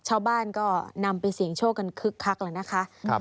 ชาวบ้านก็นำไปเสี่ยงโชคกันคึกคักแล้วนะคะ